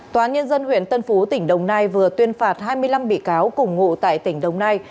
tòa án nhân dân huyện tân phú tỉnh đồng nai vừa tuyên phạt hai mươi năm bị cáo cùng ngụ tại tỉnh đồng nai